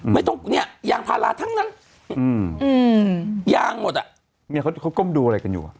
ไม่ต้องเนี่ยยางพาราทั้งนั้นยางหมดอ่ะเมียเขาก้มดูอะไรกันอยู่